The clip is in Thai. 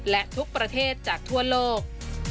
และทุกประเทศจากทั่วโลก